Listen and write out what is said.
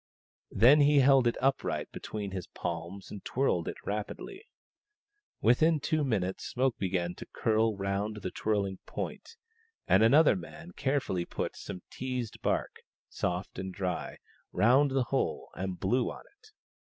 Then he held it upright between his palms and twirled it rapidly. Within two minutes smoke began to curl round the twirling point, and another man carefully put some teased bark, soft and dry, round the hole and THE STONE AXE OF BURKAMUKK 43 blew on it.